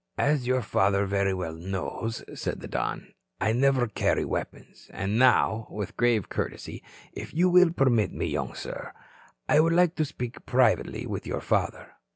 "As your father very well knows," said the Don, "I never carry weapons. And now" with grave courtesy "if you will permit me, young sir, I would like to speak privately with your father."